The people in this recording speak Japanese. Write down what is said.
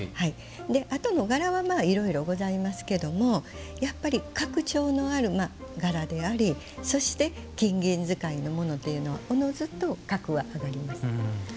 あとの柄はいろいろございますけどやっぱり、格調のある柄でありそして金銀使いのものというのはおのずと格は上がります。